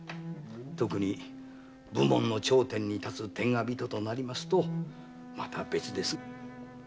特に武門の頂点に立つ天下人となりますとまた別です。